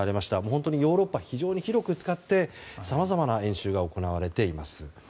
本当にヨーロッパを非常に広く使ってさまざまな演習が行われています。